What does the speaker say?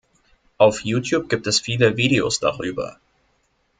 Auf YouTube gibt es viele Videos darüber.